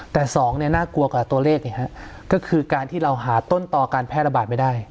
แต่สองเนี่ยน่ากลัวกว่าตัวเลขก็คือการที่เราหาต้นต่อการแพร่ระบาดไม่ได้